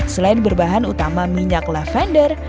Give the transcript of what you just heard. selain berbahan utama minyak lavender